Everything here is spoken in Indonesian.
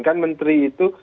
kan menteri itu